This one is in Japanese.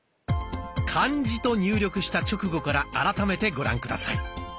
「漢字」と入力した直後から改めてご覧下さい。